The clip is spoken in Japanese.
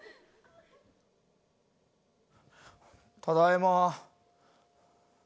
ただいま。